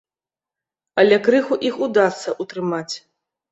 Але крыху іх удасца ўтрымаць.